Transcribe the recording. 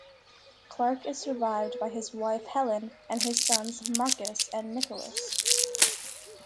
Clarke is survived by his wife Helen and sons Marcus and Nicolas.